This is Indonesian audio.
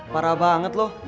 parah banget lo